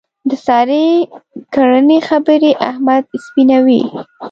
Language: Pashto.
د سارې کړنې خبرې احمد سپینوي.